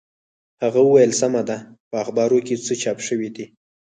هغه وویل سمه ده په اخبارو کې څه چاپ شوي دي.